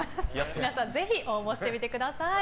皆さんぜひ応募してみてください。